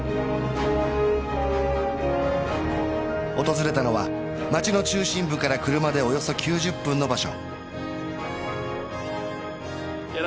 訪れたのは街の中心部から車でおよそ９０分の場所